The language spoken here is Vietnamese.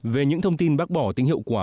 về những thông tin bác bỏ tính hiệu quả